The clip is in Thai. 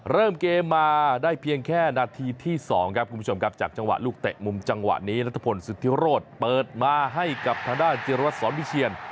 เริ่มเกมมาได้เพียงแค่นาทีที่๒ครับคุณผู้ชมครับจากจังหวะลูกเตะมุมจังหวะนี้นัทพลสุธิโรธเปิดมาให้กับทางด้านจิรวัตรสอนวิเชียน